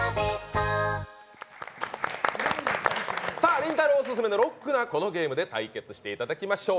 りんたろーオススメのロックなこのゲームで対決していただきましょう。